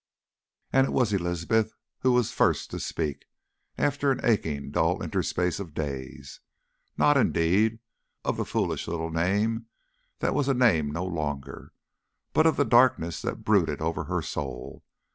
And it was Elizabeth who was the first to speak, after an aching, dull interspace of days: not, indeed, of the foolish little name that was a name no longer, but of the darkness that brooded over her soul.